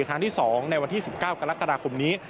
ครั้งที่๒ในวันที่๑๙กรกฎาคมนี้